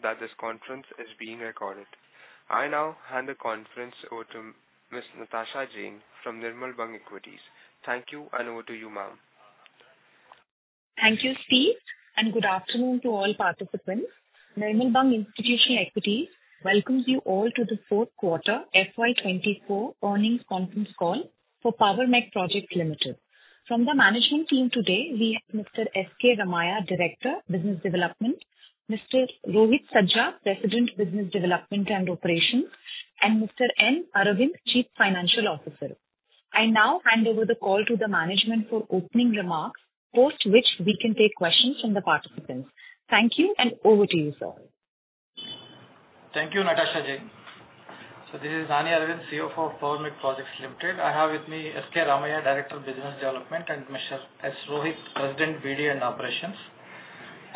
That this conference is being recorded. I now hand the conference over to Ms. Natasha Jain from Nirmal Bang Equities. Thank you, and over to you, ma'am. Thank you, Steve, and good afternoon to all participants. Nirmal Bang Institutional Equities welcomes you all to the fourth quarter FY 2024 earnings conference call for Power Mech Projects Limited. From the management team today, we have Mr. S. K. Ramaiah, Director, Business Development; Mr. Rohit Sajja, President, Business Development and Operations; and Mr. N. Aravind, Chief Financial Officer. I now hand over the call to the management for opening remarks, post which we can take questions from the participants. Thank you, and over to you, sir. Thank you, Natasha Jain. So this is N. Aravind, CFO of Power Mech Projects Limited. I have with me S. K. Ramaiah, Director of Business Development, and Mr. Rohit Sajja, President, BD and Operations.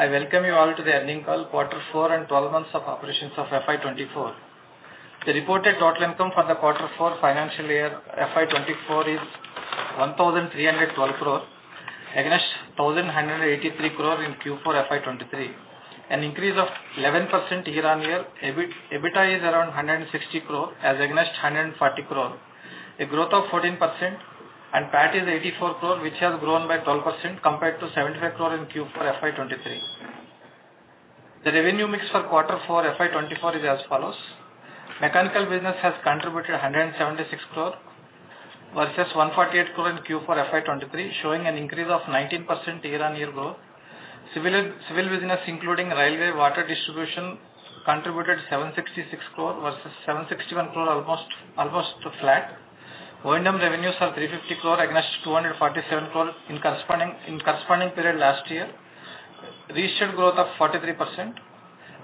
I welcome you all to the earnings call, quarter four and 12 months of operations of FY 2024. The reported total income for the quarter four financial year, FY 2024, is 1,312 crore, against 1,183 crore in Q4 FY 2023, an increase of 11% year-on-year. EBIT, EBITDA is around 160 crore as against 140 crore, a growth of 14%, and PAT is 84 crore, which has grown by 12% compared to 75 crore in Q4 FY 2023. The revenue mix for quarter four FY 2024 is as follows: Mechanical business has contributed 176 crore, versus 148 crore in Q4 FY 2023, showing an increase of 19% year-over-year growth. Civil business, including railway, water distribution, contributed 766 crore, versus 761 crore, almost flat. O&M revenues are 350 crore against 247 crore in corresponding period last year, showing a growth of 43%,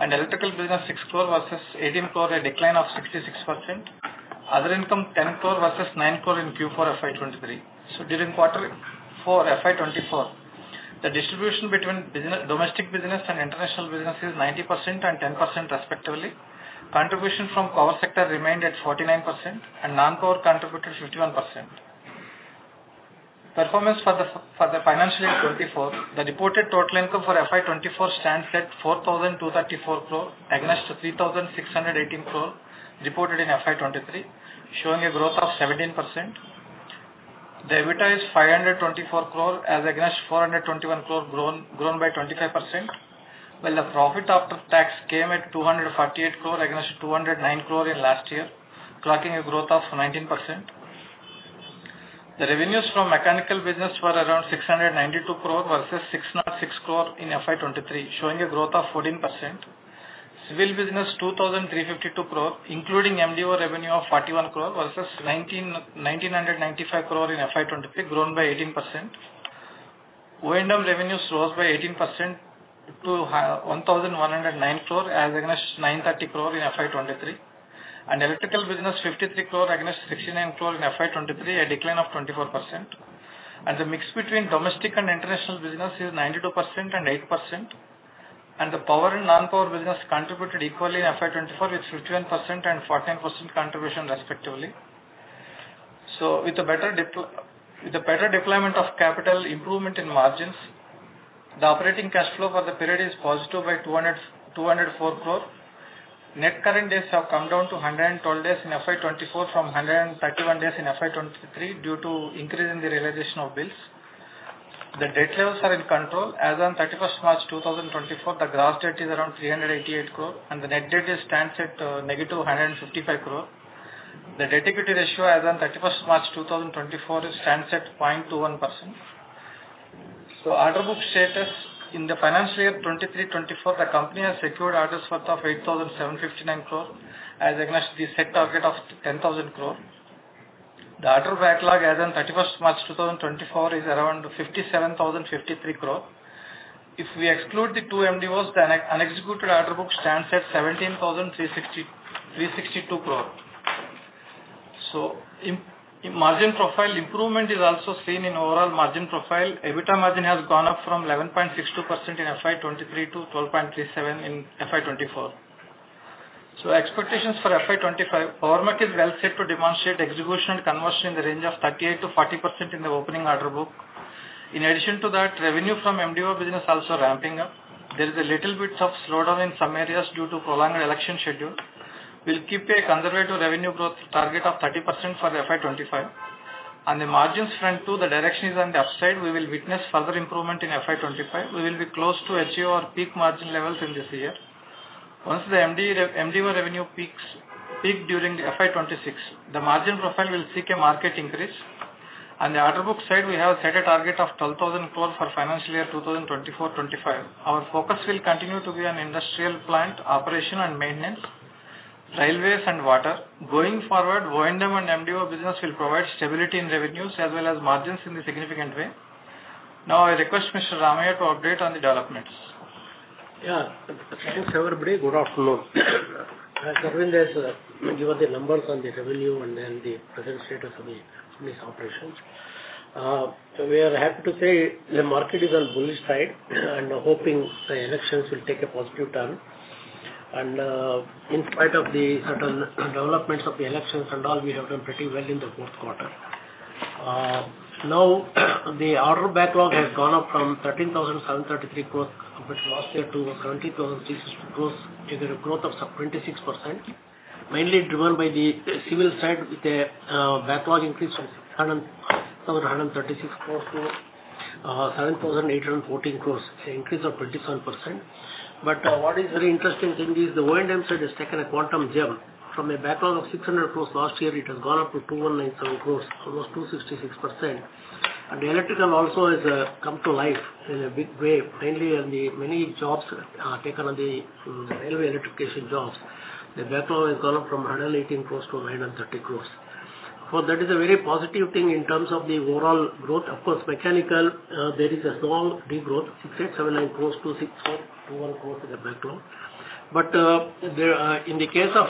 and electrical business, 6 crore versus 18 crore, a decline of 66%. Other income, 10 crore versus 9 crore in Q4 FY 2023. So during quarter four FY 2024, the distribution between domestic business and international business is 90% and 10%, respectively. Contribution from core sector remained at 49%, and non-core contributed 51%. Performance for the financial year 2024, the reported total income for FY 2024 stands at 4,234 crore, against 3,618 crore reported in FY 2023, showing a growth of 17%. The EBITDA is 524 crore, as against 421 crore grown by 25%, while the profit after tax came at 248 crore, against 209 crore in last year, tracking a growth of 19%. The revenues from mechanical business were around 692 crore versus 606 crore in FY 2023, showing a growth of 14%. Civil business, 2,352 crore, including MDO revenue of 41 crore versus 1,995 crore in FY 2023, grown by 18%. O&M revenues rose by 18% to 1,109 crore, as against 930 crore in FY 2023. Electrical business, 53 crore against 69 crore in FY 2023, a decline of 24%. The mix between domestic and international business is 92% and 8%, and the power and non-power business contributed equally in FY 2024, with 51% and 14% contribution, respectively. With a better deployment of capital improvement in margins, the operating cash flow for the period is positive by 204 crore. Net current days have come down to 112 days in FY 2024 from 131 days in FY 2023 due to increase in the realization of bills. The debt levels are in control. As on 31 March 2024, the gross debt is around 388 crore, and the net debt stands at negative 155 crore. The debt/equity ratio as on 31 March 2024 stands at 0.21%. Order book status, in the financial year 2023-2024, the company has secured orders worth 8,759 crore, as against the set target of 10,000 crore. The order backlog as on 31 March 2024 is around 57,053 crore. If we exclude the two MDOs, the unexecuted order book stands at 17,362 crore. In margin profile, improvement is also seen in overall margin profile. EBITDA margin has gone up from 11.62% in FY 2023 to 12.37% in FY 2024. Expectations for FY 2025, Power Mech is well set to demonstrate execution and conversion in the range of 38%-40% in the opening order book. In addition to that, revenue from MDO business also ramping up. There is a little bit of slowdown in some areas due to prolonged election schedule. We'll keep a conservative revenue growth target of 30% for FY 2025. On the margin front, too, the direction is on the upside. We will witness further improvement in FY 2025. We will be close to achieve our peak margin levels in this year. Once the MD, MDO revenue peaks, peak during the FY 2026, the margin profile will seek a market increase. On the order book side, we have set a target of 12,000 crore for financial year 2024-2025. Our focus will continue to be on industrial plant, operation and maintenance, railways, and water. Going forward, O&M and MDO business will provide stability in revenues as well as margins in a significant way. Now I request Mr. Ramaiah to update on the developments. Yeah. Thanks, everybody. Good afternoon. As Aravind has given the numbers on the revenue and then the present status of these operations. So we are happy to say the market is on bullish side and hoping the elections will take a positive turn. In spite of the certain developments of the elections and all, we have done pretty well in the fourth quarter. Now, the order backlog has gone up from 13,733 crores of last year to 70,006 crores, giving a growth of some 26%. Mainly driven by the civil side, with a backlog increase from INR 7,136 crores to INR 7,814 crores, an increase of 27%. But what is very interesting thing is the O&M side has taken a quantum jump. From a backlog of 600 crore last year, it has gone up to 2,197 crore, almost 266%. The electrical also has, come to life in a big way, mainly on the many jobs, taken on the, railway electrification jobs. The backlog has gone up from 118 crore to 930 crore. That is a very positive thing in terms of the overall growth. Of course, mechanical, there is a small degrowth, 6,879 crore to 621 crore in the backlog. In the case of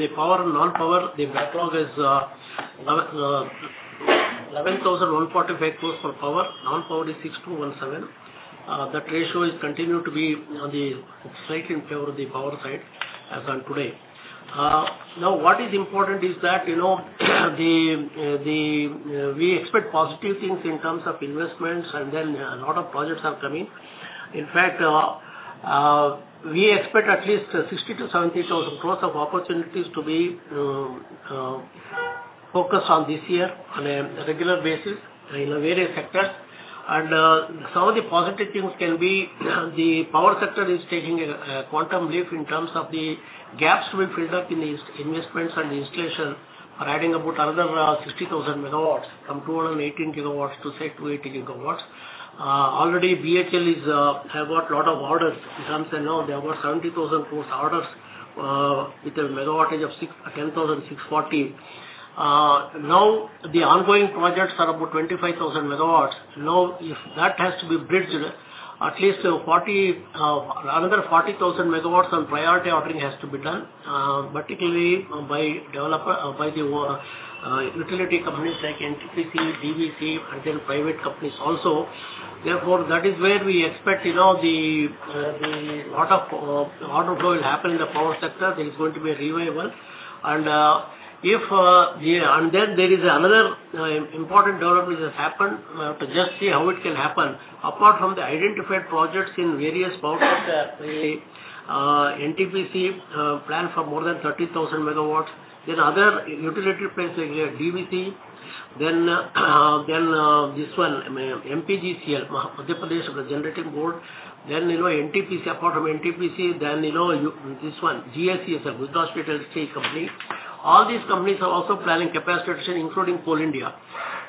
the power and non-power, the backlog is 11,145 crore for power. Non-power is 6,217 crore. That ratio is continued to be on the slightly in favor of the power side as on today. Now, what is important is that, you know, we expect positive things in terms of investments, and then a lot of projects are coming. In fact, we expect at least 60,000- 70,000 crore of opportunities to be focused on this year on a regular basis in the various sectors. Some of the positive things can be, the power sector is taking a quantum leap in terms of the gaps which result in these investments and installation, are adding about another 60,000 megawatts, from 218 gigawatts to, say, 280 GW. Already BHEL has got a lot of orders. In terms, you know, they have got 70,000 crore orders, with a megawattage of 10,640. Now, the ongoing projects are about 25,000 MW. Now, if that has to be bridged, at least 40,000 MW on priority ordering has to be done, particularly by developer, by the utility companies like NTPC, DVC, and then private companies also. Therefore, that is where we expect, you know, a lot of growth will happen in the power sector. There is going to be a revival. If, yeah, there is another important development that has happened. Just see how it can happen. Apart from the identified projects in various power sector, NTPC plan for more than 30,000 MW. Then other utility players like DVC, then this one, MPGCL, Madhya Pradesh Generative Board, then, you know, NTPC, apart from NTPC, then, you know, this one, GSECL, Gujarat State Electricity Company. All these companies are also planning capacity, including Coal India.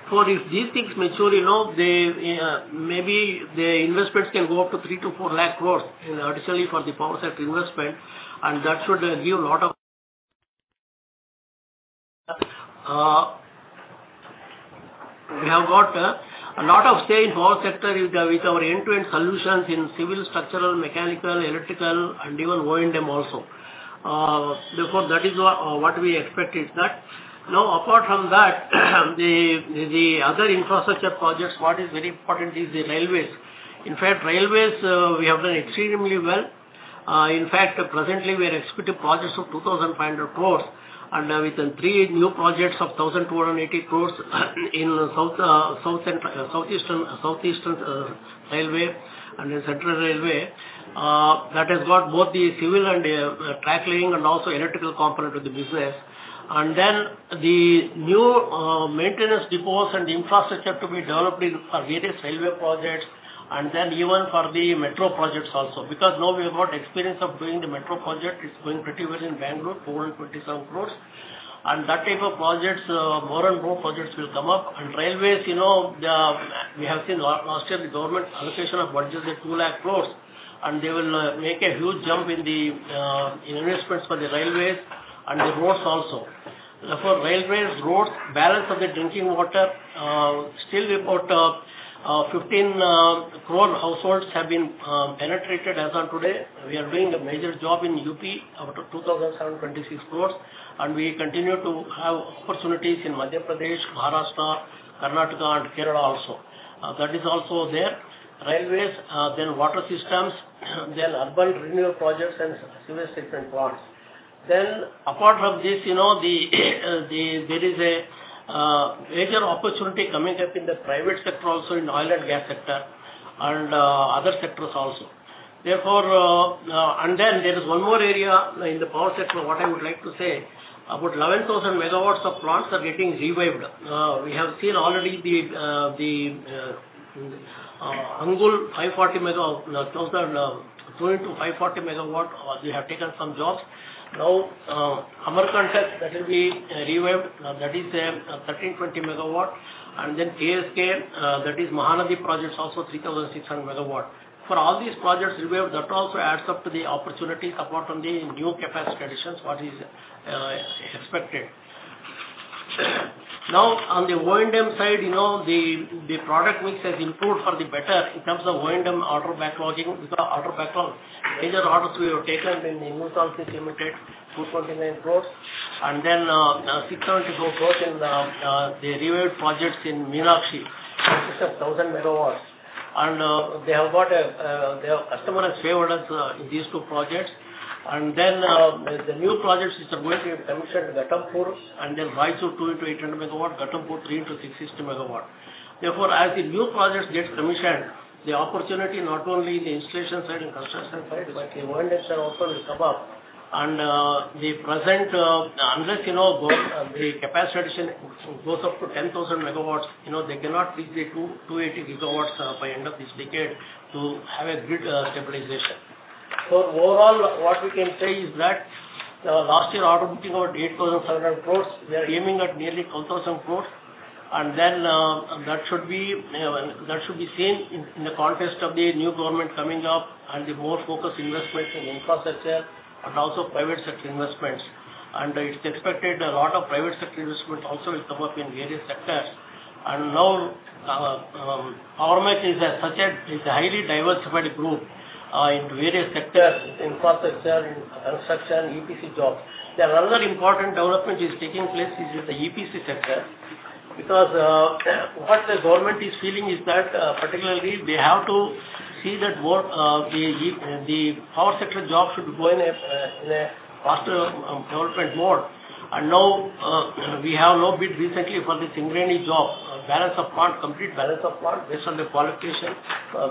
For if these things mature, you know, they maybe the investments can go up to 300,000 crore-400,000 crore, additionally for the power sector investment, and that should give lot of... We have got a lot of stay in power sector with our end-to-end solutions in civil, structural, mechanical, electrical, and even O&M also. Therefore, that is what we expect, is that. Now, apart from that, the other infrastructure projects, what is very important is the railways. In fact, railways, we have done extremely well. In fact, presently, we are executing projects of 2,500 crore, and with the three new projects of 1,280 crore, in South Central Railway, South Eastern Railway, and the Central Railway. That has got both the civil and track laying, and also electrical component of the business. And then the new maintenance depots and infrastructure to be developed in for various railway projects, and then even for the metro projects also. Because now we have got experience of doing the metro project. It's going pretty well in Bangalore, 427 crore. And that type of projects, more and more projects will come up. And railways, you know, we have seen last year, the government allocation of budget is 200,000 crore, and they will make a huge jump in investments for the railways and the roads also. Therefore, railways, roads, balance of the drinking water, still about 15 crore households have been penetrated as on today. We are doing a major job in UP, up to 2,726 crores, and we continue to have opportunities in Madhya Pradesh, Maharashtra, Karnataka, and Kerala also. That is also there. Railways, then water systems, then urban renewal projects, and sewage treatment plants. Then apart from this, you know, there is a major opportunity coming up in the private sector also, in oil and gas sector, and other sectors also. Therefore, and then there is one more area in the power sector, what I would like to say, about 11,000 MW of plants are getting revived. We have seen already the Angul 540 megawatt, 2 x 540 MW, we have taken some jobs. Now, Amarkantak, that will be revived, that is, 1,320 MW. KSK, that is Mahanadi projects, also 3,600 MW. For all these projects revived, that also adds up to the opportunities apart from the new capacity additions, what is expected. Now, on the O&M side, you know, the product mix has improved for the better in terms of O&M order backlog. Major orders we have taken in Meenakshi Energy Limited, 249 crore, and then 674 crore in the revived projects in Meenakshi. It's 1,000 MW, and they have got a, their customer has favored us in these two projects. The new projects which are going to be commissioned, Ghatampur, and then Y2, 2 x 800 MW, Ghatampur, 3 x 660 MW. Therefore, as the new projects get commissioned, the opportunity not only in the installation side and construction side, but the maintenance side also will come up. The present, unless, you know, the capacity addition goes up to 10,000 MW, you know, they cannot reach the 280 GW by end of this decade to have a grid stabilization. Overall, what we can say is that last year order booking about 8,500 crore. We are aiming at nearly 10,000 crore, and that should be seen in the context of the new government coming up and the more focused investment in infrastructure and also private sector investments. It's expected a lot of private sector investments also will come up in various sectors. Now, Power Mech is a such a, is a highly diversified group, into various sectors, infrastructure, in construction, EPC jobs. There are another important development is taking place is with the EPC sector, because, what the government is feeling is that, particularly they have to see that more, the power sector jobs should go in a faster, development mode. We have now bid recently for this Singareni job, balance of plant, complete balance of plant based on the qualification,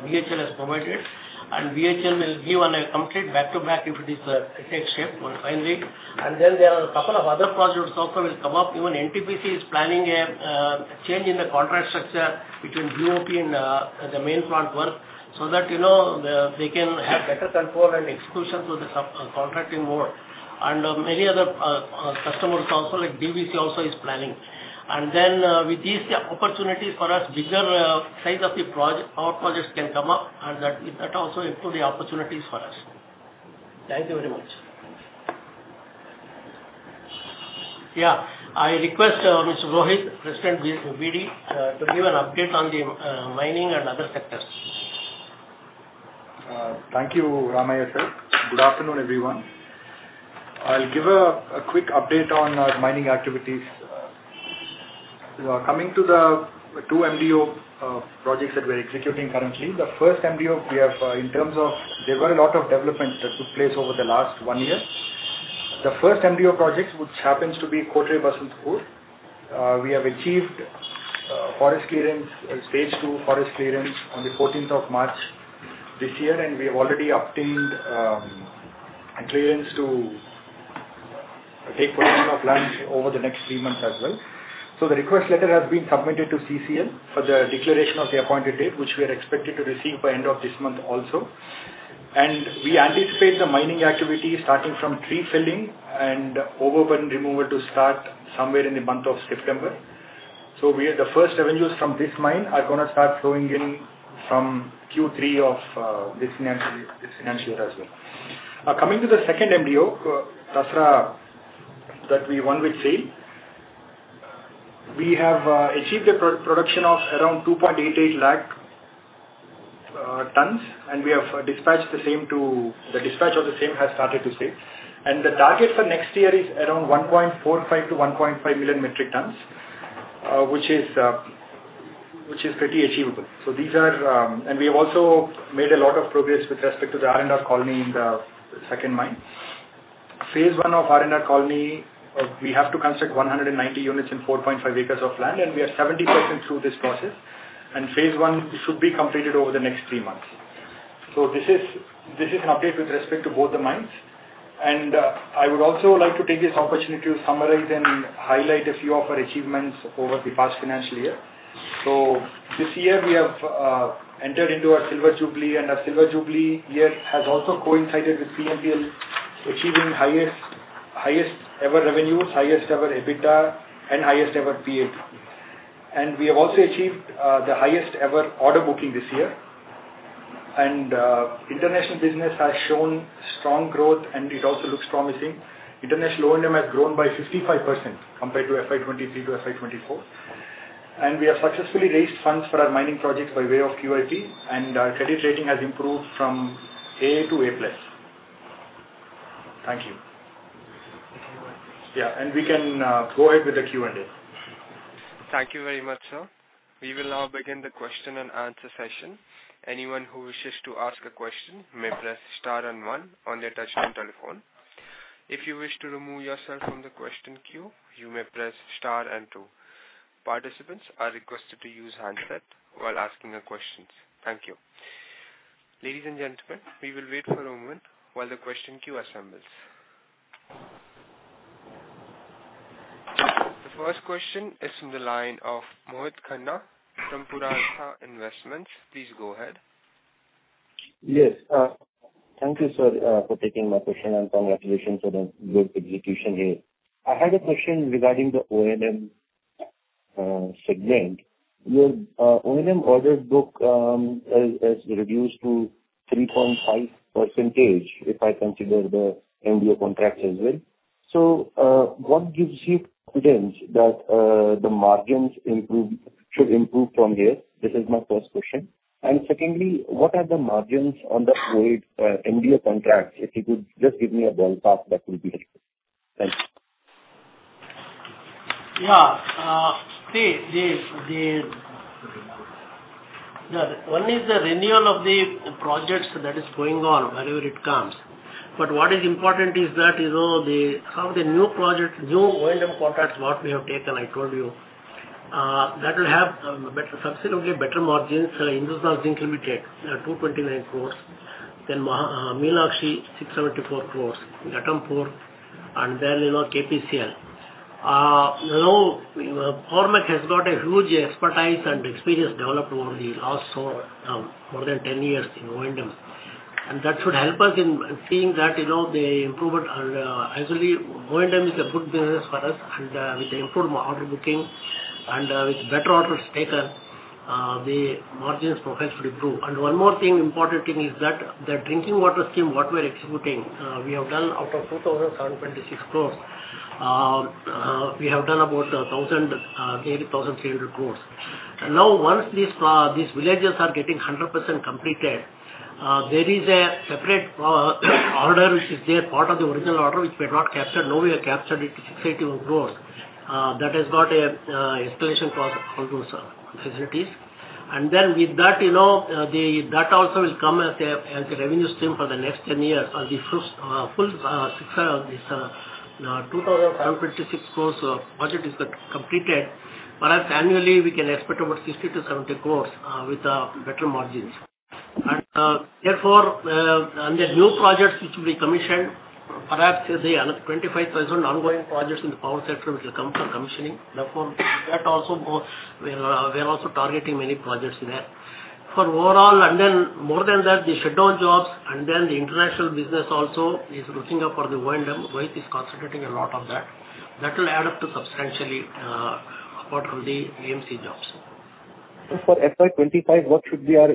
BHEL has provided. And BHEL will give a complete back-to-back if it takes shape finally. And then there are a couple of other projects also will come up. Even NTPC is planning a change in the contract structure between BOP and the main plant work, so that, you know, they can have better control and exposure to the sub-contracting mode, and many other customers also, like DVC also is planning. And then, with these opportunities for us, bigger size of the project, power projects can come up, and that also improve the opportunities for us. Thank you very much. Yeah, I request Mr. Rohit, President BD, to give an update on the mining and other sectors. Thank you, Ramaiah Sir. Good afternoon, everyone. I'll give a quick update on our mining activities. Coming to the two MDO projects that we're executing currently. The first MDO we have, in terms of... There were a lot of developments that took place over the last one year. The first MDO project, which happens to be Kotre Basantpur, we have achieved forest clearance, stage two forest clearance on the fourteenth of March this year, and we have already obtained a clearance to take possession of land over the next three months as well. So the request letter has been submitted to CCL for the declaration of the appointed date, which we are expected to receive by end of this month also. We anticipate the mining activity starting from tree felling and overburden removal to start somewhere in the month of September. So we are the first revenues from this mine are going to start flowing in from Q3 of this financial year as well. Coming to the second MDO, Tasra, that we won with SAIL. We have achieved a pre-production of around 288,000 tons, and we have the dispatch of the same has started to SAIL. And the target for next year is around 1.45-1.5 million metric tons, which is pretty achievable. And we have also made a lot of progress with respect to the R&R colony in the second mine. Phase one of R&R Colony, we have to construct 190 units in 4.5 acres of land, and we are 70% through this process, and phase I should be completed over the next three months. So this is, this is an update with respect to both the mines. I would also like to take this opportunity to summarize and highlight a few of our achievements over the past financial year. So this year, we have entered into our silver jubilee, and our silver jubilee year has also coincided with PMPL achieving highest ever revenues, highest ever EBITDA, and highest ever PAT. And we have also achieved the highest ever order booking this year. International business has shown strong growth, and it also looks promising. International O&M has grown by 55% compared to FY 2023 to FY 2024. And we have successfully raised funds for our mining projects by way of QIP, and our credit rating has improved from AA to AA+. Thank you. Yeah, and we can go ahead with the Q&A. Thank you very much, sir. We will now begin the question-and-answer session. Anyone who wishes to ask a question may press star and one on their touch-tone telephone. If you wish to remove yourself from the question queue, you may press star and two. Participants are requested to use handset while asking a question. Thank you. Ladies and gentlemen, we will wait for a moment while the question queue assembles. The first question is from the line of Mohit Khanna from Purnartha Investments. Please go ahead. Yes, thank you, sir, for taking my question, and congratulations on the good execution here. I had a question regarding the O&M segment. Your O&M orders book has reduced to 3.5%, if I consider the MDO contracts as well. So, what gives you confidence that the margins improve, should improve from here? This is my first question. And secondly, what are the margins on the current MDO contracts? If you could just give me a ballpark, that would be helpful. Thank you. Yeah, the one is the renewal of the projects that is going on wherever it comes. But what is important is that, you know, how the new project, new O&M contracts, what we have taken, I told you, that will have better, substantially better margins. Hindustan Zinc will be taken 229 crores, then Mahan Meenakshi, 674 crores, Ghatampur, and then, you know, KPCL. Now, our O&M has got a huge expertise and experience developed over the last, so, more than 10 years in O&M. And that should help us in seeing that, you know, the improvement, and actually, O&M is a good business for us, and with the improved order booking and with better orders taken, the margins profile should improve. One more thing, important thing is that the drinking water scheme, what we're executing, we have done out of 2,726 crore, we have done about 8,300 crore. Now, once these villages are getting 100% completed, there is a separate order which is there, part of the original order, which we had not captured. Now, we have captured it, INR 61 crore, that has got an installation cost for those facilities. And then with that, you know, that also will come as a revenue stream for the next 10 years, or the first full six, this 2,726 crore of project is get completed. Perhaps annually, we can expect about 60- 70 crore, with better margins. And, therefore, and the new projects which will be commissioned, perhaps is the another 25,000 ongoing projects in the power sector, which will come for commissioning. Therefore, that also more, we are, we are also targeting many projects there. For overall, and then more than that, the shutdown jobs and then the international business also is looking up for the O&M. Mohit is concentrating a lot on that. That will add up to substantially, apart from the AMC jobs. For FY 2025, what should be our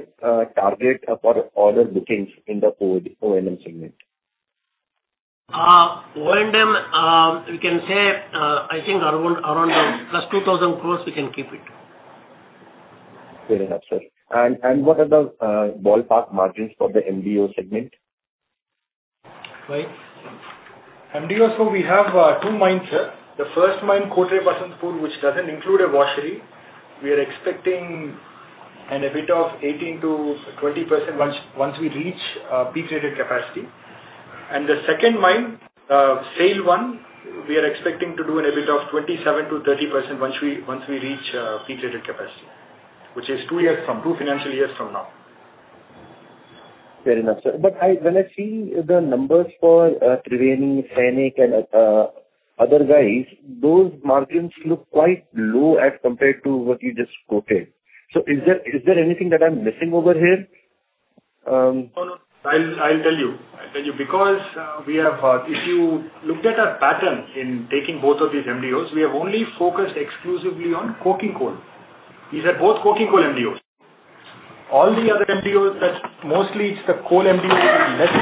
target for order bookings in the O&M segment? O&M, we can say, I think around plus 2,000 crore, we can keep it. Very nice, sir. And what are the ballpark margins for the MDO segment? Right. MDO, so we have two mines, sir. The first mine, Kotre Basantpur, which doesn't include a washery, we are expecting an EBITDA of 18%-20% once we reach peak rated capacity. And the second mine, SAIL One, we are expecting to do an EBITDA of 27%-30% once we reach peak rated capacity, which is two years from, two financial years from now. Fair enough, sir. But I, when I see the numbers for Triveni, Sainik, and other guys, those margins look quite low as compared to what you just quoted. So is there, is there anything that I'm missing over here? No. I'll tell you, because we have, if you looked at our pattern in taking both of these MDOs, we have only focused exclusively on coking coal. These are both coking coal MDOs. All the other MDOs, that's mostly it's the coal MDOs, less,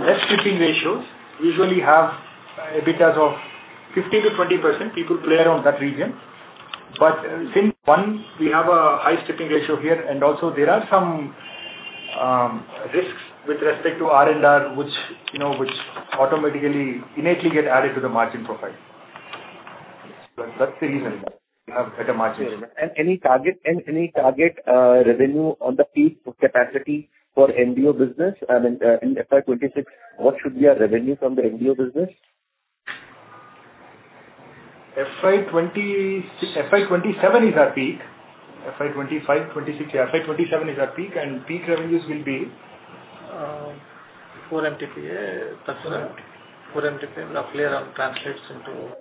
less stripping ratios, usually have EBITDAs of 50%-20%. People play around that region. But since, one, we have a high stripping ratio here, and also there are some risks with respect to R&R, which, you know, which automatically, innately get added to the margin profile. So that's the reason we have better margins. Any target revenue on the peak capacity for MDO business? I mean, in FY 2026, what should be our revenue from the MDO business? FY 2027 is our peak. FY 2025, 2026, yeah, FY 2027 is our peak, and peak revenues will be. 4 MTPA, that's it. 4 MTPA roughly around translates into.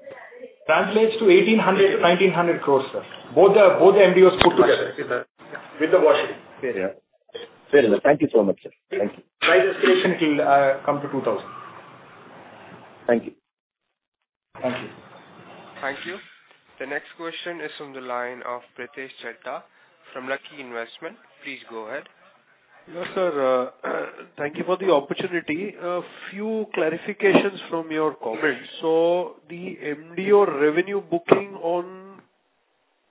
Translates to 1,800-1,900 crores, sir. Both the, both the MDOs put together. Together, yeah. With the washery. Fair enough. Fair enough. Thank you so much, sir. Thank you. By the station, it'll come to 2000. Thank you. Thank you. Thank you. The next question is from the line of Pritesh Chheda from Lucky Investment. Please go ahead. Yes, sir, thank you for the opportunity. A few clarifications from your comments. So the MDO revenue booking on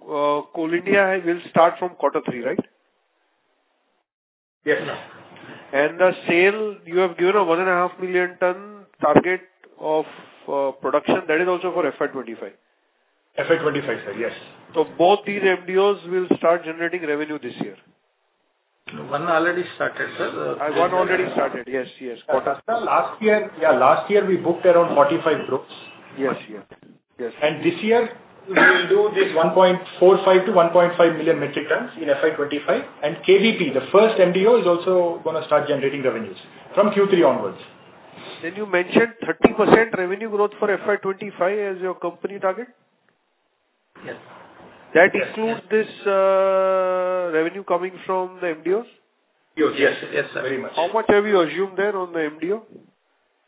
Coal India will start from quarter three, right? Yes, sir. The sales, you have given a 1.5 million ton target of production. That is also for FY 2025? FY 2025, sir, yes. Both these MDOs will start generating revenue this year? One already started, sir. One already started, yes, yes. Last year we booked around 45 crore. Yes. Yes. And this year, we will do this 1.45-1.5 million metric tons in FY 2025. And KBP, the first MDO, is also gonna start generating revenues from Q3 onwards. You mentioned 30% revenue growth for FY 2025 as your company target? Yes. That includes this, revenue coming from the MDOs? Yes. Yes, sir, very much. How much have you assumed there on the MDO?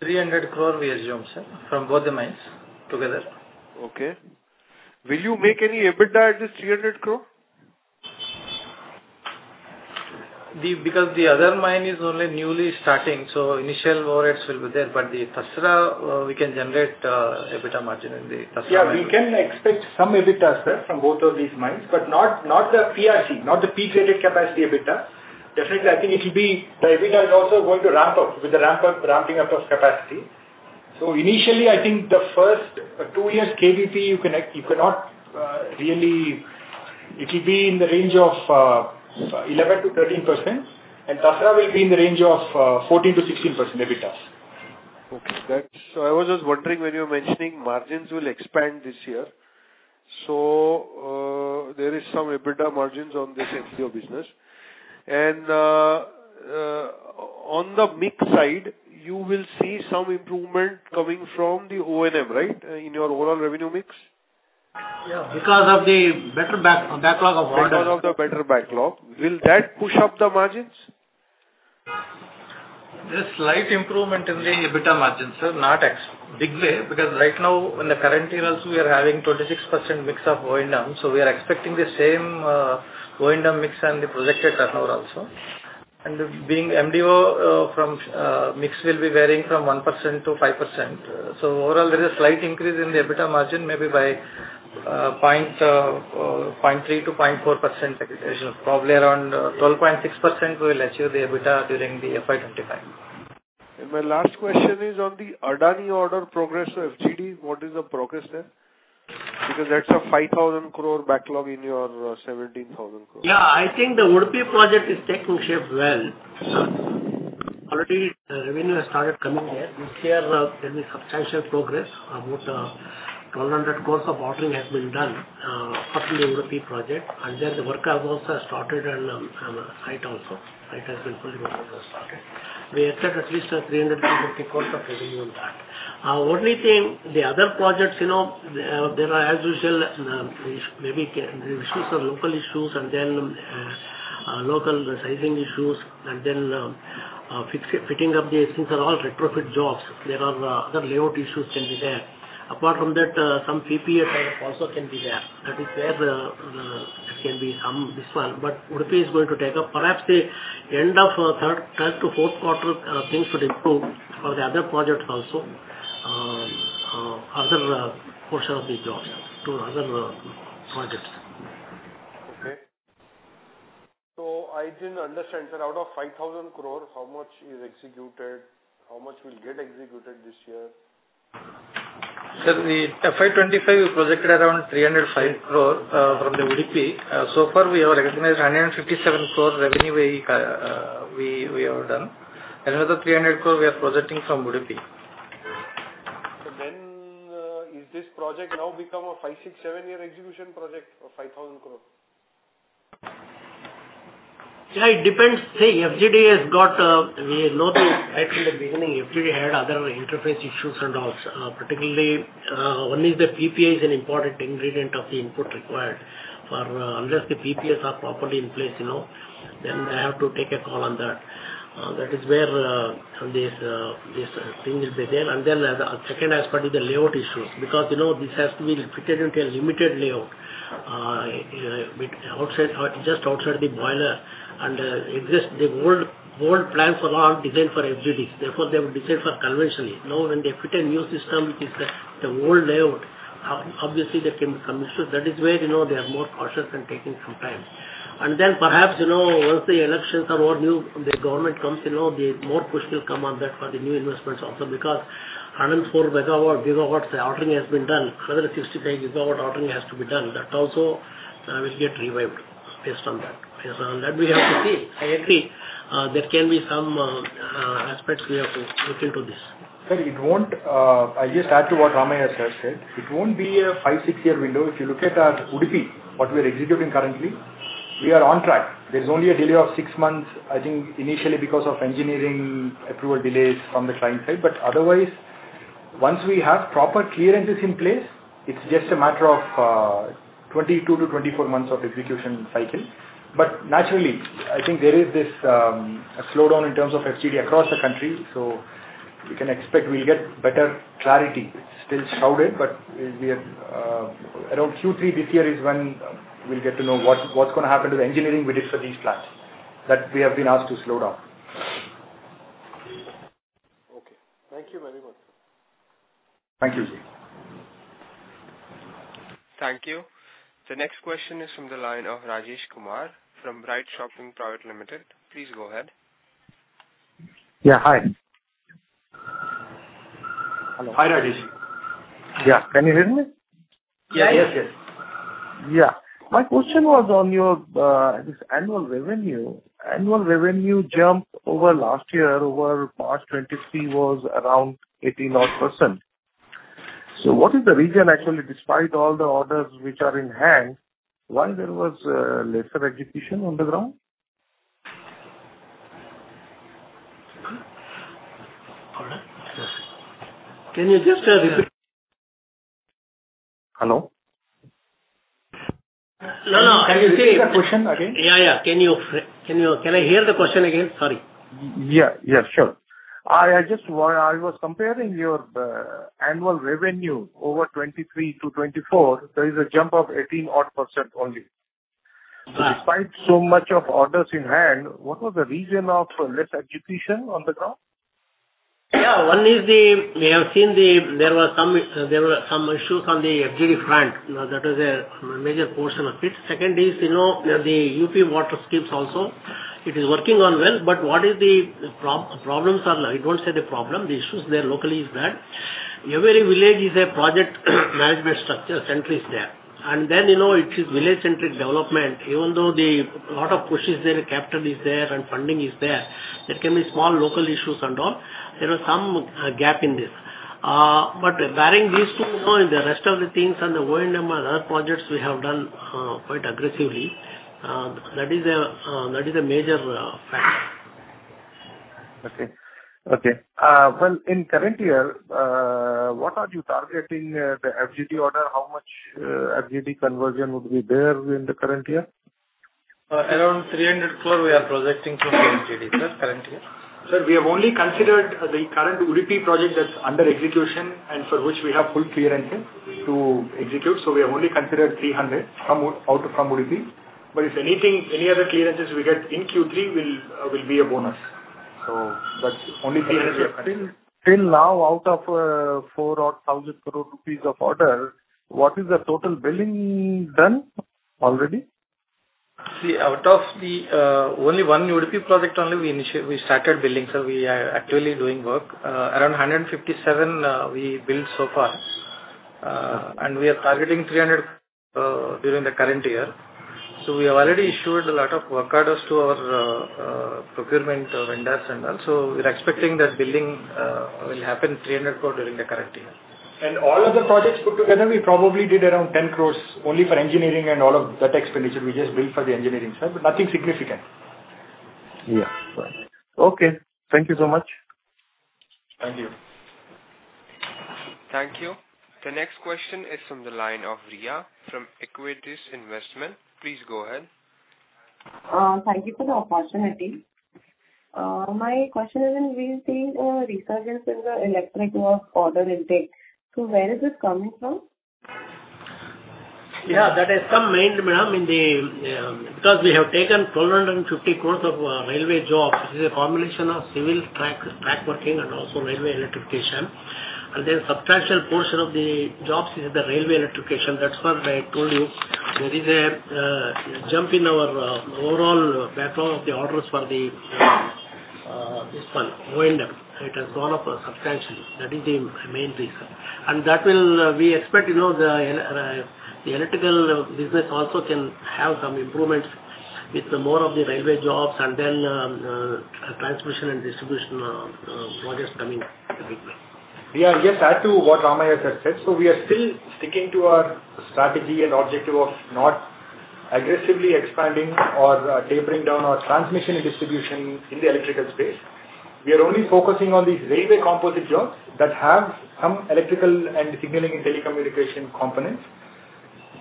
300 crore we assume, sir, from both the mines together. Okay. Will you make any EBITDA at this 300 crore? Because the other mine is only newly starting, so initial overheads will be there, but the Tasra, we can generate EBITDA margin in the Tasra. Yeah, we can expect some EBITDA, sir, from both of these mines, but not, not the PRC, not the peak rated capacity EBITDA. Definitely, I think it will be, the EBITDA is also going to ramp up with the ramping up of capacity. So initially, I think the first, two years KVP, you can, you cannot, really, it will be in the range of, 11%-13%, and Tasra will be in the range of, 14%-16% EBITDA. Okay, that's. So I was just wondering when you were mentioning margins will expand this year. So, there is some EBITDA margins on this MDO business. And, on the mix side, you will see some improvement coming from the O&M, right, in your overall revenue mix? Yeah, because of the better backlog of orders. Because of the better backlog, will that push up the margins? There's slight improvement in the EBITDA margins, sir, not in a big way, because right now, in the current year also, we are having 26% mix of O&M, so we are expecting the same O&M mix and the projected turnover also. And the MDO mix will be varying from 1%-5%. So overall, there is a slight increase in the EBITDA margin, maybe by point three to point four percent. Probably around 12.6%, we will achieve the EBITDA during the FY 2025. My last question is on the Adani order progress to FGD. What is the progress there? Because that's an 5,000 crore backlog in your 17,000 crore. Yeah, I think the Udupi project is taking shape well. Already, the revenue has started coming there. This year, there'll be substantial progress. About 1,200 crores of ordering has been done for the Udupi project, and then the work has also started on the site also. The site has been fully started. We expect at least 350 crores of revenue on that. Only thing, the other projects, you know, there are, as usual, maybe issues, local issues, and then local sizing issues, and then fitting of these things are all retrofit jobs. There are other layout issues can be there. Apart from that, some PPA types also can be there. That is where it can be some this one, but Udupi is going to take up. Perhaps the end of third, third to fourth quarter, things should improve for the other projects also, other portion of the jobs to other projects. Okay. So I didn't understand, sir, out of 5,000 crore, how much is executed, how much will get executed this year? Sir, the FY 2025, we projected around 305 crore from Udupi. So far, we have recognized 157 crore revenue. We have done. Another 300 crore, we are projecting from Udupi. Is this project now become a 5, 6, 7-year execution project of 5,000 crore? Yeah, it depends. See, FGD has got, we know this right from the beginning, FGD had other interface issues and all. Particularly, one is the PPA is an important ingredient of the input required. For, unless the PPAs are properly in place, you know, then I have to take a call on that. That is where, this thing is detail. And then, the second aspect is the layout issues, because, you know, this has to be fitted into a limited layout, with outside, just outside the boiler. And, it just the old, old plants were all designed for FGD. Therefore, they were designed for conventionally. Now, when they fit a new system, it is the, the old layout. Obviously, there can be some issues. That is where, you know, they are more cautious and taking some time. Then perhaps, you know, once the elections are over, the new government comes, you know, the more push will come on that for the new investments also, because 104 MW gigawatts ordering has been done, rather 65 GW ordering has to be done. That also will get revived based on that. Based on that, we have to see. I agree, there can be some aspects we have to look into this. Sir, it won't, I'll just add to what Ramaya sir said. It won't be a five, six-year window. If you look at, Udupi, what we are executing currently, we are on track. There is only a delay of 6 months, I think, initially because of engineering approval delays from the client side. But otherwise, once we have proper clearances in place, it's just a matter of, 22-24 months of execution cycle. But naturally, I think there is this, a slowdown in terms of FGD across the country, so we can expect we'll get better clarity. It's still shrouded, but we are, around Q3 this year is when we'll get to know what, what's going to happen to the engineering bid for these plants, that we have been asked to slow down. Okay. Thank you very much. Thank you, sir. Thank you. The next question is from the line of Rajesh Kumar from Bright Shopping Private Limited. Please go ahead. Yeah, hi. Hello. Hi, Rajesh. Yeah, can you hear me? Yeah, yes, yes. Yeah. My question was on your this annual revenue. Annual revenue jump over last year, over March 2023, was around 18 odd %. So what is the reason actually, despite all the orders which are in hand, why there was lesser execution on the ground? Can you just repeat? Hello? No, no. Can you repeat? Can you repeat the question again? Yeah, yeah. Can I hear the question again? Sorry. Yeah, sure. I was comparing your annual revenue over 2023 to 2024. There is a jump of 18 odd percent only. Right. Despite so much of orders in hand, what was the reason of less execution on the ground? Yeah, one is the, we have seen the, there were some issues on the FGD front. Now, that was a major portion of it. Second is, you know, the UP water schemes also, it is working on well, but what is the problems are, I won't say the problem, the issues there locally is that every village is a project management structure center is there. And then, you know, it is village-centric development, even though the lot of push is there, capital is there, and funding is there, there can be small local issues and all. There are some gap in this. But barring these two, you know, the rest of the things on the O&M and other projects we have done quite aggressively. That is a major factor. Okay. Well, in current year, what are you targeting, the FGD order? How much, FGD conversion would be there in the current year? Around 300 crore we are projecting to FGD, sir, current year. Sir, we have only considered the current Udupi project that's under execution and for which we have full clearances to execute. So we have only considered 300 from Udupi. But if anything, any other clearances we get in Q3 will be a bonus. So but only INR 300. Till now, out of 4,000 crore rupees of order, what is the total billing done already? See, out of the only one Udupi project only we started billing, sir. We are actually doing work. Around 157 we billed so far, and we are targeting 300 during the current year. So we have already issued a lot of work orders to our procurement vendors and all. So we're expecting that billing will happen 300 crore during the current year. All of the projects put together, we probably did around 10 crore, only for engineering and all of that expenditure. We just billed for the engineering, sir, but nothing significant. Yeah. Okay. Thank you so much. Thank you. Thank you. The next question is from the line of Riya from Aequitas Investment. Please go ahead. Thank you for the opportunity. My question is, we've seen a resurgence in the erection work order intake. So where is this coming from? Yeah, that has come mainly, madam, in the, because we have taken 1,250 crores of railway jobs. This is a combination of civil track, track working, and also railway electrification. And then substantial portion of the jobs is the railway electrification. That's what I told you. There is a jump in our overall backlog of the orders for the this one, O&M. It has gone up substantially. That is the main reason. And that will, we expect, you know, the electrical business also can have some improvements with more of the railway jobs and then transmission and distribution projects coming in the picture. Yeah, yes, add to what Ramaiah has said. So we are still sticking to our strategy and objective of not aggressively expanding or tapering down our transmission and distribution in the electrical space. We are only focusing on these railway composite jobs that have some electrical and signaling and telecommunication components.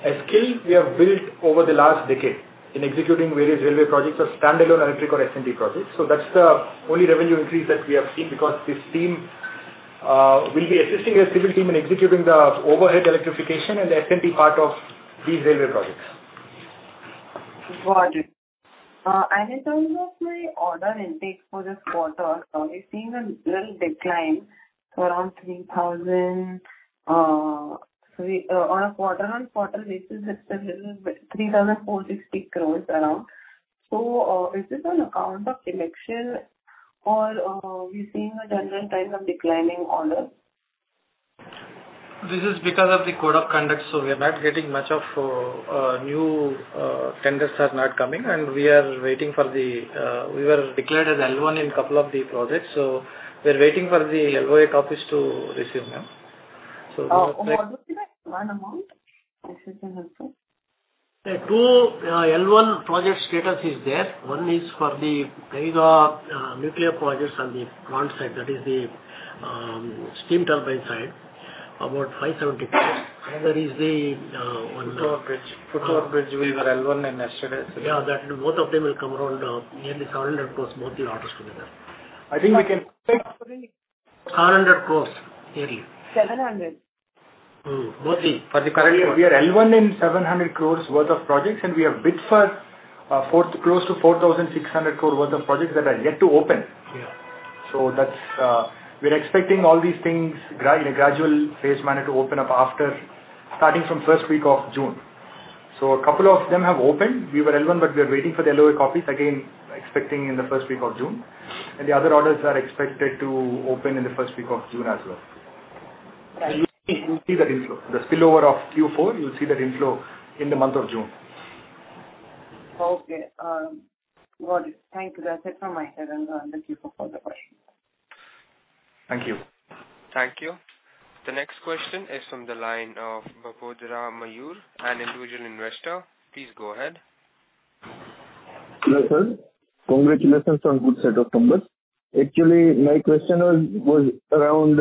A skill we have built over the last decade in executing various railway projects are standalone electric or S&T projects. So that's the only revenue increase that we have seen, because this team will be assisting a civil team in executing the overhead electrification and the S&T part of these railway projects. Got it. And in terms of my order intake for this quarter, so we've seen a little decline to around 3,000 on a quarter-on-quarter basis, it's a little bit 3,460 crores around. So, is this on account of election or, we're seeing a general trend of declining orders? This is because of the code of conduct, so we are not getting much of, new, tenders are not coming, and we are waiting for the, we were declared as L1 in couple of the projects, so we're waiting for the LOI copies to receive them. What was the L1 amount? This is helpful. Two L1 project status is there. One is for the Kaiga nuclear projects on the front side, that is the steam turbine side, about 570 crores. Another is the one- over bridge. Foot over bridge, we were L1 in yesterday, sir. Yeah, that both of them will come around nearly 700 crores, both the orders together. I think we can take 700. 600 crores, yearly. Mostly. For the current year, we are L1 in 700 crore worth of projects, and we have bid for close to 4,600 crore worth of projects that are yet to open. Yeah. So that's. We're expecting all these things in a gradual phase manner to open up after starting from first week of June. So a couple of them have opened. We were L1, but we are waiting for the LOI copies, again, expecting in the first week of June. And the other orders are expected to open in the first week of June as well. Right. You'll see, you'll see that inflow. The spillover of Q4, you'll see that inflow in the month of June. Okay. Got it. Thank you. That's it from my side, and thank you for further questions. Thank you. Thank you. The next question is from the line of Bapojara Mayur, an individual investor. Please go ahead. Hello, sir. Congratulations on good set of numbers. Actually, my question was around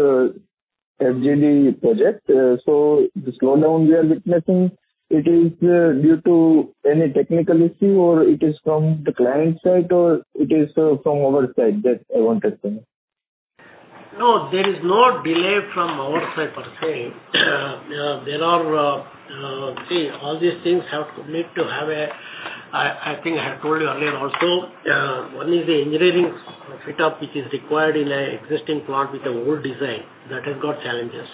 FGD project. So the slowdown we are witnessing, it is due to any technical issue, or it is from the client side, or it is from our side? That I wanted to know. No, there is no delay from our side per se. There are all these things have to lead to have a, I think I have told you earlier also, one is the engineering fit up, which is required in an existing plant with the old design. That has got challenges.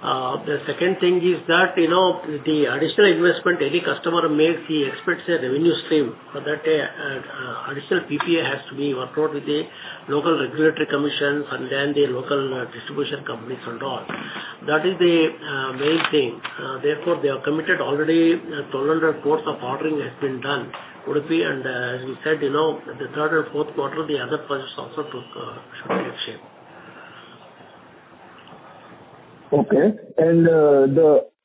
The second thing is that, you know, the additional investment any customer makes, he expects a revenue stream for that, additional PPA has to be worked out with the local regulatory commissions and then the local distribution companies and all. That is the main thing. Therefore, they are committed already, 1,200 crores of ordering has been done, Udupi. And, as we said, you know, the third and fourth quarter, the other projects also took should take shape. Okay. And,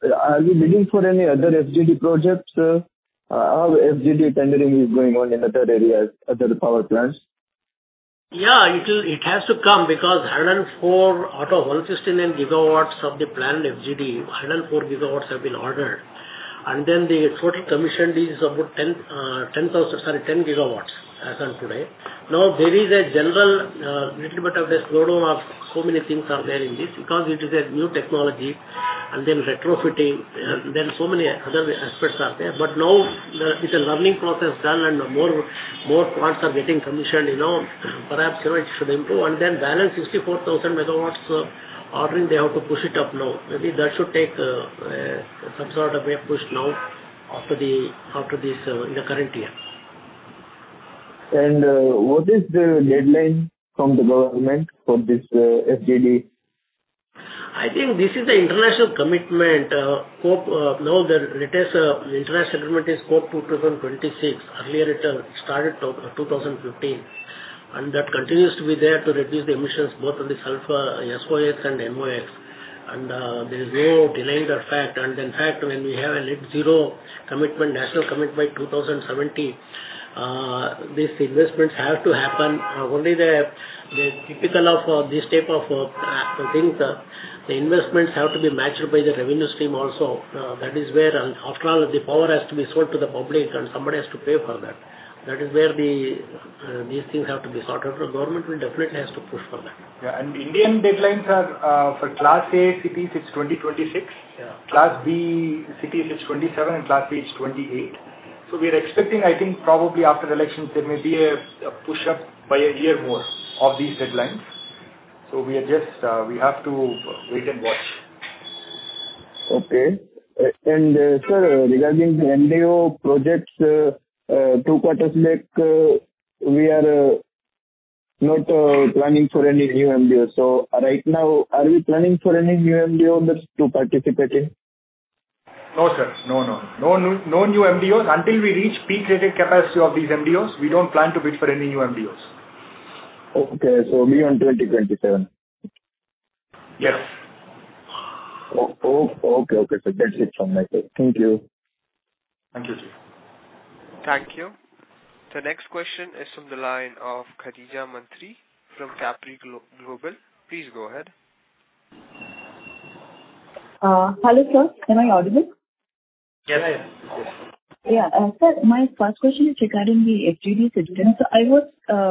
are we bidding for any other FGD projects, sir? How is the FGD tendering going on in the thermal areas at the power plants? Yeah, it will, it has to come because 104 GW out of 116 GW of the planned FGD, 104 gigawatts have been ordered. And then the total commission is about 10 GW as on today. Now, there is a general little bit of a slowdown of so many things are there in this, because it is a new technology, and then retrofitting, then so many other aspects are there. But now, with the learning process done and more, more parts are getting commissioned, you know, perhaps, you know, it should improve. And then balance 64,000 MW ordering, they have to push it up now. Maybe that should take some sort of a push now after the, after this in the current year. What is the deadline from the government for this FGD? I think this is an international commitment, COP. Now the international commitment is COP 2026. Earlier, it started 2015, and that continues to be there to reduce the emissions both on the sulfur, SOx and NOx. And there is no delay in that fact. And in fact, when we have a net zero commitment, national commitment by 2070, these investments have to happen. Only the typical of this type of things, the investments have to be matched by the revenue stream also. That is where, after all, the power has to be sold to the public, and somebody has to pay for that. That is where these things have to be sorted out. The government will definitely has to push for that. Yeah, and Indian deadlines are, for Class A cities, it's 2026. Yeah. Class B cities, it's 27, and Class C, it's 28. So we are expecting, I think, probably after the elections, there may be a pushup by a year more of these deadlines. So we are just, we have to wait and watch. Okay. Sir, regarding the MDO projects, two quarters back, we are not planning for any new MDO. So right now, are we planning for any new MDO on this to participate in? No, sir. No, no. No new, no new MDOs. Until we reach peak rated capacity of these MDOs, we don't plan to bid for any new MDOs. Okay, so maybe on 2027. Yes. Okay. That's it from my side. Thank you. Thank you, sir. Thank you. The next question is from the line of Khadija Mantri from Capri Global. Please go ahead. Hello, sir. Am I audible? Yeah. Yeah. Sir, my first question is regarding the FGD segment. I was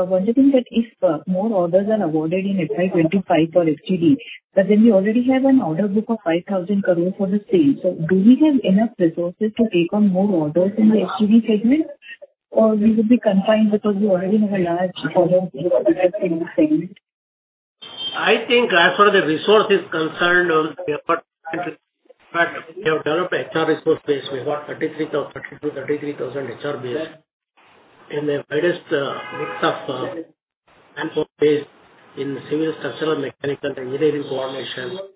wondering that if more orders are awarded in FY 2025 for FGD, but then we already have an order book of 5,000 crore for the same. Do we have enough resources to take on more orders in the FGD segment, or we will be confined because we already have a large order book in the segment? I think as far as the resource is concerned, but we have developed a HR resource base. We've got 32,000-33,000 HR base in the widest mix of manpower base in civil, structural, mechanical, engineering formation.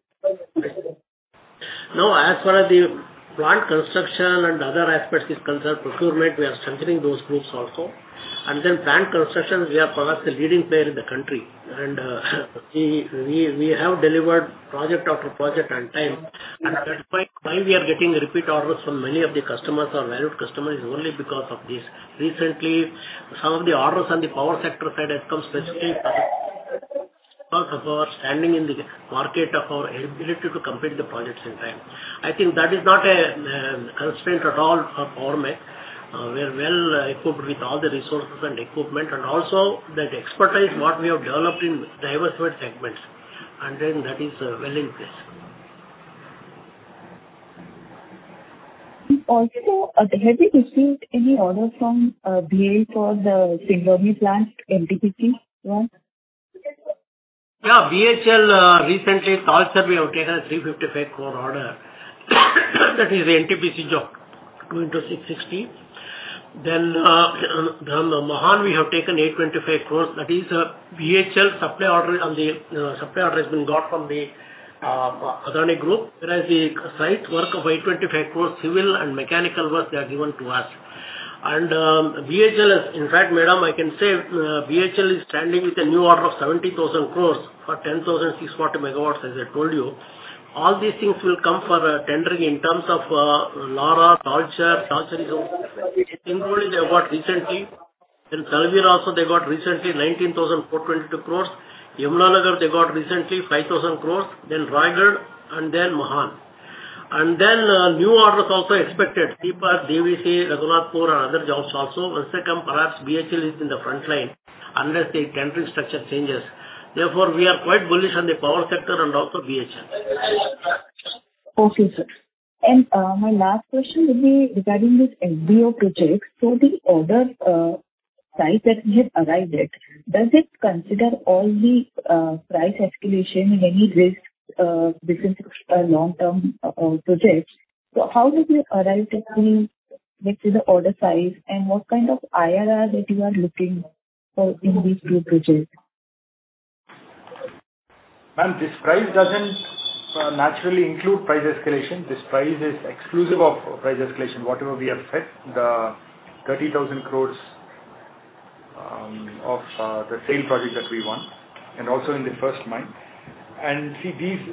Now, as far as the plant construction and other aspects is concerned, procurement, we are strengthening those groups also. And then plant construction, we are perhaps the leading player in the country. And we have delivered project after project on time. And that's why we are getting repeat orders from many of the customers or valued customers is only because of this. Recently, some of the orders on the power sector side have come specifically for standing in the market of our ability to complete the projects in time. I think that is not a constraint at all for Power Mech. We are well-equipped with all the resources and equipment, and also that expertise what we have developed in diversified segments, and then that is, well in place. Also, have you received any order from BHEL for the Singrauli plant, NTPC plant? Yeah, BHEL recently, Talcher we have taken a 355 crore order. That is the NTPC job, 2 x 660. Then Mahan, we have taken 825 crores. That is a BHEL supply order on the supply order has been got from the Adani Group. Whereas the site work of 825 crore, civil and mechanical work, they are given to us. And BHEL is... In fact, madam, I can say, BHEL is standing with a new order of 70,000 crores for 10,600 megawatts, as I told you. All these things will come for tendering in terms of Lara, Talcher. Talcher is also, Singrauli they have got recently. Then Talabira also, they got recently 19,422 crores. Yamunanagar, they got recently 5,000 crores, then Raigarh, and then Mahan. Then, new orders also expected, Sipat, DVC, Ragunathpur and other jobs also. Once they come, perhaps BHEL is in the front line unless the tendering structure changes. Therefore, we are quite bullish on the power sector and also BSN. Okay, sir. My last question will be regarding this MDO project. So the order price that you have arrived at, does it consider all the price escalation in any risks, business, long-term projects? So how does the arrival technique get to the order size, and what kind of IRR that you are looking for in these two projects? Ma'am, this price doesn't naturally include price escalation. This price is exclusive of price escalation. Whatever we have set, the 30,000 crore of the same project that we want, and also in the first mine. And see, these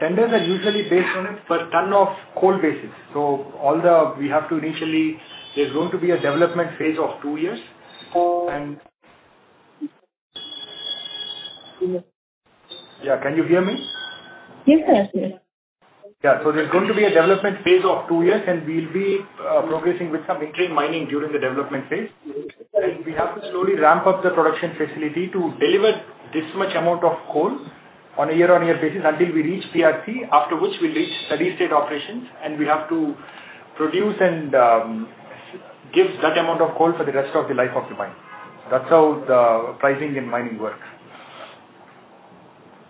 tenders are usually based on it per ton of coal basis. So all the-- We have to initially... There's going to be a development phase of two years, and yeah, can you hear me? Yes, sir. Yeah. So there's going to be a development phase of two years, and we'll be progressing with some interim mining during the development phase. And we have to slowly ramp up the production facility to deliver this much amount of coal on a year-on-year basis until we reach PRC, after which we reach steady state operations, and we have to produce and give that amount of coal for the rest of the life of the mine. That's how the pricing and mining work.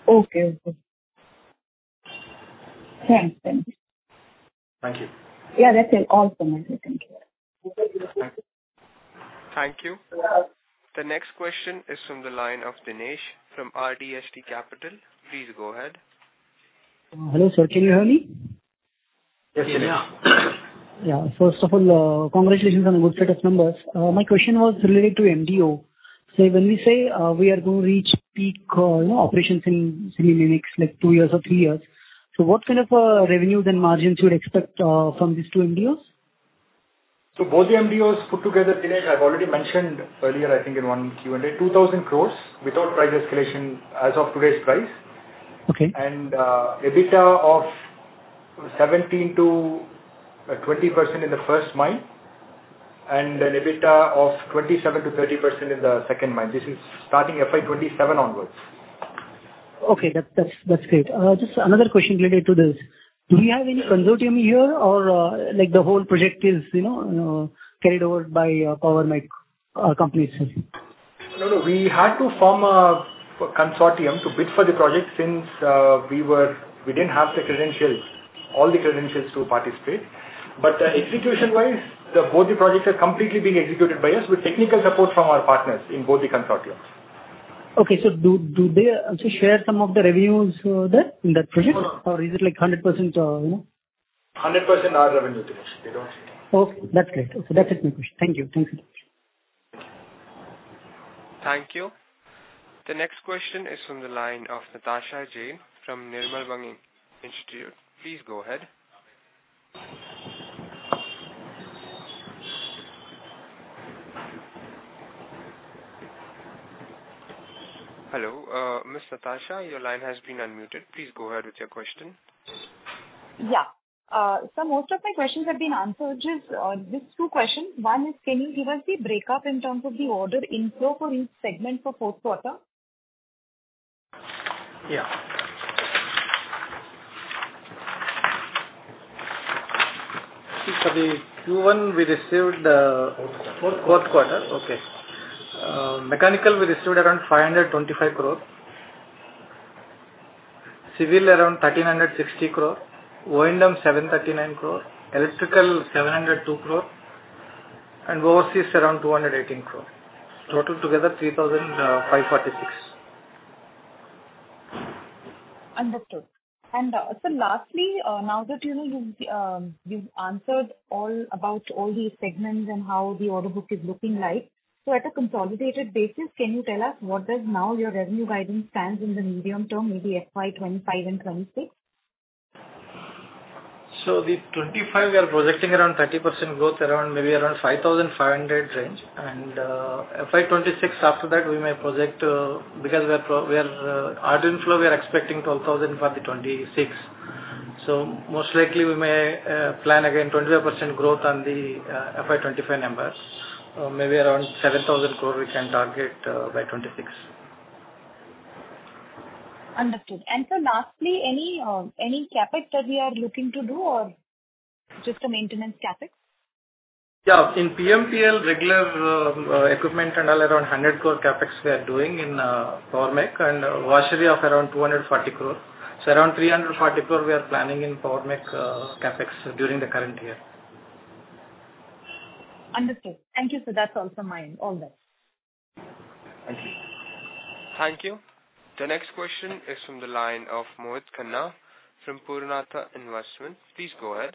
Okay. Thanks then. Thank you. Yeah, that's it. Awesome. Thank you. Thank you. Thank you. The next question is from the line of Dinesh from RDST Capital. Please go ahead. Hello, sir. Can you hear me? Yes, we can. Yeah. First of all, congratulations on the good set of numbers. My question was related to MDO. So when we say we are going to reach peak operations in maybe next, like, two years or three years, so what kind of revenues and margins you'd expect from these two MDOs? So both the MDOs put together, Dinesh, I've already mentioned earlier, I think in one Q&A, 2,000 crore without price escalation as of today's price. Okay. EBITDA of 17%-20% in the first mine, and an EBITDA of 27%-30% in the second mine. This is starting FY 2027 onwards. Okay, that's, that's, that's great. Just another question related to this. Do we have any consortium here or, like, the whole project is, you know, carried over by Power Mech company, sir? No, no. We had to form a consortium to bid for the project since we didn't have the credentials, all the credentials to participate. But execution-wise, both the projects are completely being executed by us with technical support from our partners in both the consortiums. Okay. So do they also share some of the revenues there in that project? No. Or is it, like, 100%, you know? 100% our revenue, Dinesh. They don't. Okay. That's great. Okay, that's it, my question. Thank you. Thank you. Thank you. The next question is from the line of Natasha Jain from Nirmal Bang Institutional. Please go ahead. Hello, Miss Natasha, your line has been unmuted. Please go ahead with your question. Yeah. So most of my questions have been answered. Just, just two questions. One is, can you give us the breakup in terms of the order inflow for each segment for fourth quarter? Yeah. So the Q1 we received fourth quarter, okay. Mechanical, we received around 525 crore. Civil, around 1,360 crore. O&M, 739 crore. Electrical, 702 crore, and overseas, around 218 crore. Total together, 3,546 crore. Understood. So lastly, now that, you know, you've answered all about all the segments and how the order book is looking like, so at a consolidated basis, can you tell us what does now your revenue guidance stands in the medium term, maybe FY 2025 and 2026? So the 25, we are projecting around 30% growth, around maybe around 5,500 crore range. FY 2026, after that, we may project, because we are we are order inflow, we are expecting 12,000 crore for the 2026. So most likely, we may plan again 25% growth on the FY 2025 numbers. Maybe around 7,000 crore we can target by 2026. Understood. Sir, lastly, any CapEx that we are looking to do or just a maintenance CapEx? Yeah. In PMPL, regular equipment and all, around 100 crore CapEx we are doing in Power Mech, and washery of around 240 crore. So around 340 crore we are planning in Power Mech CapEx during the current year. Understood. Thank you, sir. That's also mine. All the best. Thank you. Thank you. The next question is from the line of Mohit Khanna from Purnartha Investments. Please go ahead.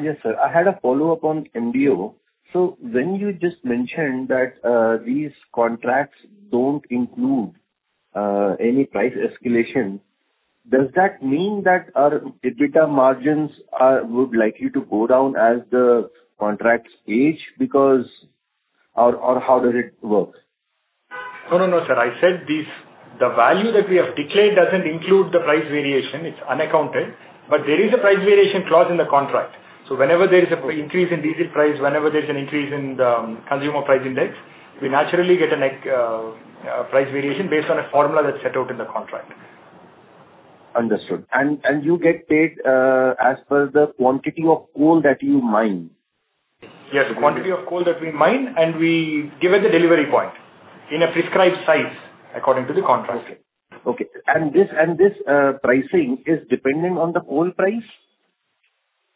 Yes, sir. I had a follow-up on MDO. So when you just mentioned that, these contracts don't include any price escalation, does that mean that our EBITDA margins are would likely to go down as the contracts age because, or how does it work? No, no, no, sir, I said this, the value that we have declared doesn't include the price variation, it's unaccounted, but there is a price variation clause in the contract. So whenever there is an increase in diesel price, whenever there's an increase in the consumer price index, we naturally get a price variation based on a formula that's set out in the contract. Understood. And you get paid as per the quantity of coal that you mine? Yes, the quantity of coal that we mine, and we give it the delivery point in a prescribed size according to the contract. Okay. And this pricing is dependent on the coal price?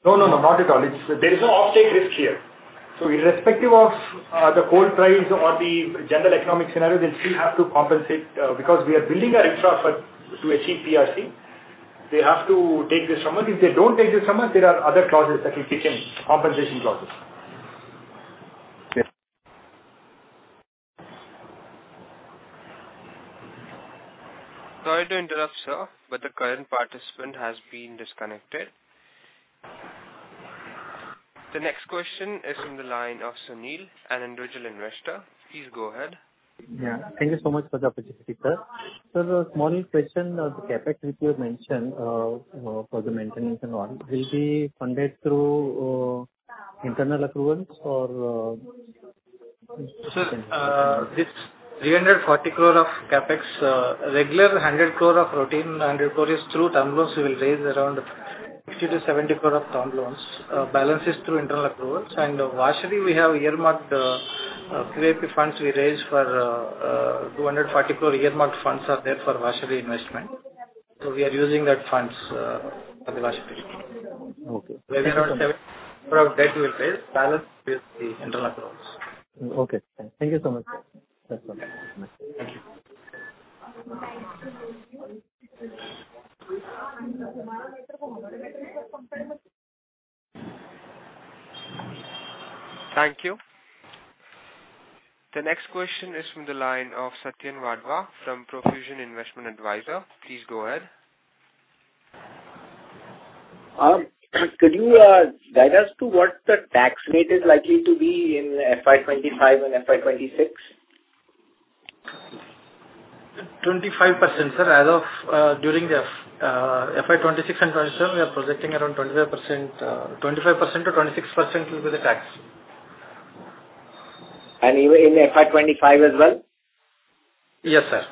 No, no, not at all. There is no off-take risk here. Irrespective of the coal price or the general economic scenario, they still have to compensate, because we are building our infrastructure to achieve PRC. They have to take this summit. If they don't take this summit, there are other clauses that will kick in, compensation clauses. Yes. Sorry to interrupt, sir, but the current participant has been disconnected. The next question is from the line of Sunil, an individual investor. Please go ahead. Yeah. Thank you so much for the opportunity, sir. So the small question of the CapEx, which you have mentioned, for the maintenance and all, will be funded through internal accruals or- Sir, this 340 crore of CapEx, regular 100 crore of routine, 100 crore is through term loans we will raise around 50- 70 crore of term loans. Balance is through internal accruals. And Vasari, we have earmarked, FVP funds we raised for, 240 crore earmarked funds are there for Vasari investment. So we are using that funds, for the Vasari. Okay. Around INR 7 crore debt we will raise. Balance is the internal accruals. Okay. Thank you so much, sir. That's all. Thank you. Thank you. The next question is from the line of Satyan Wadhwa from Profusion Investment Advisors. Please go ahead. Could you guide us to what the tax rate is likely to be in FY 2025 and FY 2026? 25%, sir. As of, during the FY 2026 and 2027, we are projecting around 25%-26% will be the tax. Even in FY 2025 as well? Yes, sir.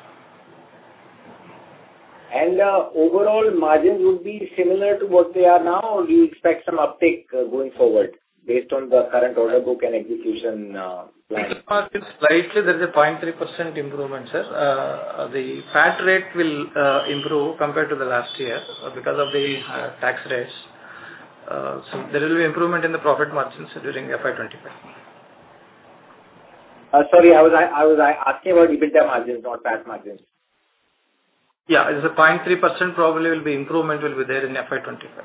Overall margins would be similar to what they are now, or do you expect some uptick going forward based on the current order book and execution plan? Margins slightly, there is a 0.3% improvement, sir. The PAT rate will improve compared to the last year because of the tax rates. So there will be improvement in the profit margins during FY 2025. Sorry, I was asking about EBITDA margins, not PAT margins. Yeah, it's a 0.3% probably will be improvement will be there in FY 2025,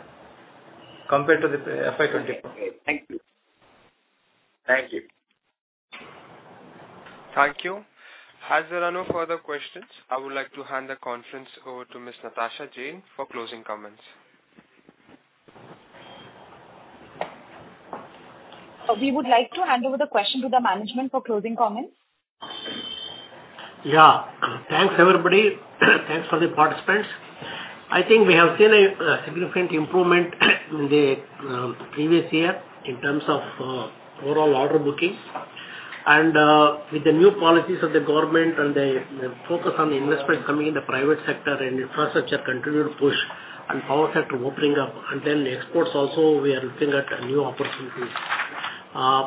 compared to the FY 2024. Thank you. Thank you. As there are no further questions, I would like to hand the conference over to Ms. Natasha Jain for closing comments. We would like to hand over the question to the management for closing comments. Yeah. Thanks, everybody. Thanks for the participants. I think we have seen a significant improvement in the previous year in terms of overall order bookings. And with the new policies of the government and the focus on the investment coming in the private sector and infrastructure continued push and power sector opening up, and then exports also, we are looking at new opportunities.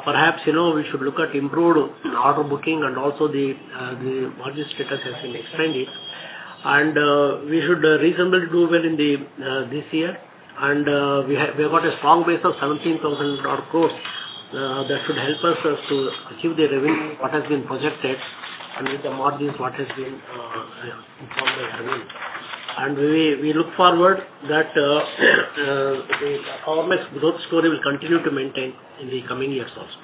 Perhaps, you know, we should look at improved order booking and also the margin status has been expanded. And we should reasonably do well in this year. And we have, we've got a strong base of 17,000 crores, that should help us to achieve the revenue, what has been projected, and with the margins, what has been informed as well. We look forward that the performance growth story will continue to maintain in the coming years also.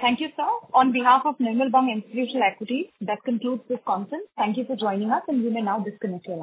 Thank you, sir. On behalf of Nirmal Bang Institutional Equities, that concludes this conference. Thank you for joining us, and you may now disconnect your lines.